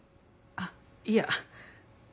あっいや。